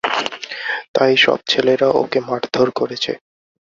তাই, সব ছেলেরা ওকে মারধর করেছে।